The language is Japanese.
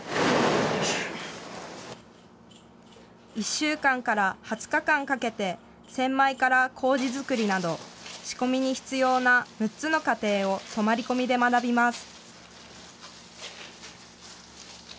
１週間から２０日間かけて洗米からこうじ作りなど、仕込みに必要な６つの過程を泊まり込みで学びます。